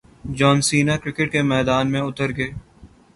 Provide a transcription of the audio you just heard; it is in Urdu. جان سینا کرکٹ کے میدان میں اتر گئے